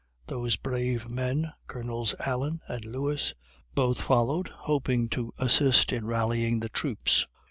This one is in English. Those brave men, Colonels Allen and Lewis, both followed, hoping to assist in rallying the troops.